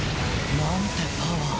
なんてパワー。